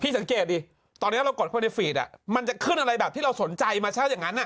สังเกตดิตอนนี้เรากดเข้าไปในฟีดมันจะขึ้นอะไรแบบที่เราสนใจมาเช่าอย่างนั้น